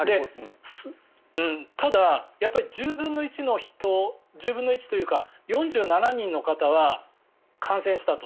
ただ、１０分の１の人１０分の１というか４７人の方は感染したと。